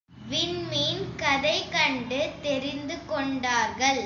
விண்மீன்கதைக் கண்டு தெரிந்து கொண்டார்கள்.